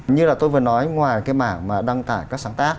như là tôi vừa nói ngoài cái mảng mà đăng tải các sáng tác